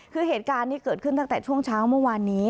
คือเหตุการณ์นี้เกิดขึ้นตั้งแต่ช่วงเช้าเมื่อวานนี้